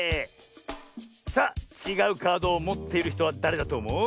さあちがうカードをもっているひとはだれだとおもう？